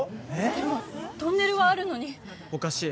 でもトンネルはあるのにおかしい